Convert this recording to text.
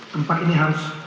tempat ini harus